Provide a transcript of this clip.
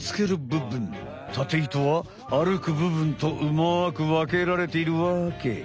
タテ糸は歩くぶぶんとうまく分けられているわけ。